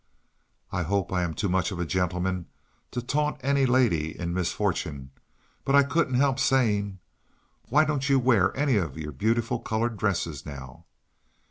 I hope I am too much of a gentleman to taunt any lady in misfortune, but I couldn't help saying "Why don't you wear any of your beautiful coloured dresses now?"